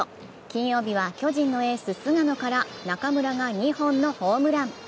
金曜日は巨人のエース・菅野から中村が２本のホームラン。